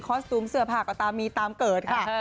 คอสตุมเสือผากตามีตามเกิดค่ะ